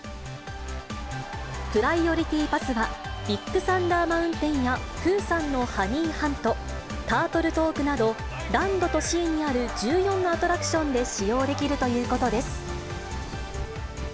プライオリティパスは、ビッグサンダー・マウンテンや、プーさんのハニーハント、タートル・トークなど、ランドとシーにある１４のアトラクションで使用できるということです。